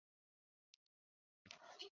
康定耳蕨为鳞毛蕨科耳蕨属下的一个种。